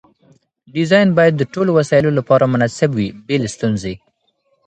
ډیزاین باید د ټولو وسایلو لپاره مناسب وي بې له ستونزې.